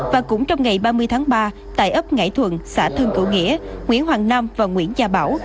và cũng trong ngày ba mươi tháng ba tại ấp ngải thuận xã thơ cựu nghĩa nguyễn hoàng đâm và nguyễn gia bảo